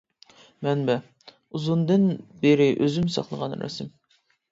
مەنبە: ئۇزۇندىن بىرى ئۆزۈم ساقلىغان رەسىم.